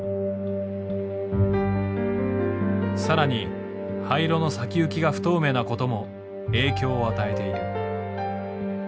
更に廃炉の先行きが不透明なことも影響を与えている。